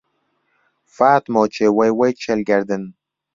فاتمۆکێ وەی وەی کێل گەردن